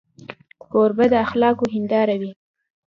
کوربه د اخلاقو هنداره وي.